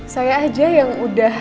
saya aja yang udah